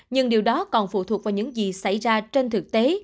nhưng điều đó còn phụ thuộc vào những gì xảy ra trên thực tế